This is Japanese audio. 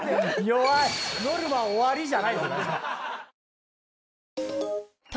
ノルマ終わりじゃない。